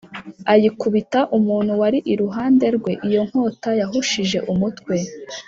ayikubita umuntu wari iruhande rwe Iyo nkota yahushije umutwe